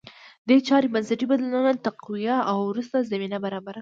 دې چارې بنسټي بدلونونه تقویه او وروسته زمینه برابره کړه